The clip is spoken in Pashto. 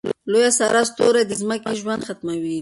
لوی سره ستوری د ځمکې ژوند ختموي.